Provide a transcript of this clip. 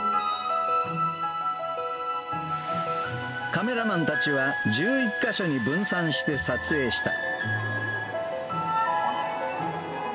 カメラマンたちは、１１か所に分散して撮影した。